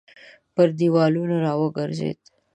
پر دېوالونو راوګرځېد.